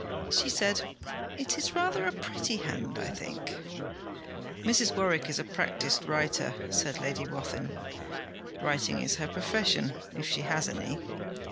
She said, 'It is rather a pretty hand, I think.' 'Mrs. Warwick is a practised writer,' said Lady Wathin. 'Writing is her profession, if she has any.